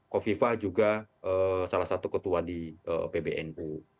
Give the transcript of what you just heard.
kofifah juga salah satu ketua di pbnu